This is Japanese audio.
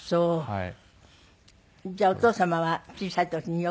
はい。